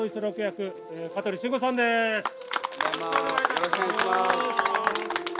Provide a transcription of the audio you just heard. よろしくお願いします。